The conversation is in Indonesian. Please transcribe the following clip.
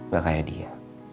gak kayak dia